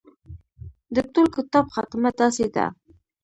د ټول کتاب خاتمه داسې ده.